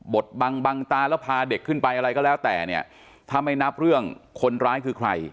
ดบังบังตาแล้วพาเด็กขึ้นไปอะไรก็แล้วแต่เนี่ยถ้าไม่นับเรื่องคนร้ายคือใคร